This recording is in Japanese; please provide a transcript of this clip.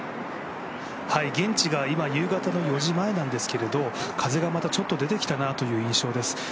現地が今、夕方の４時前なんですけれども風がまたちょっと出てきたなという印象です。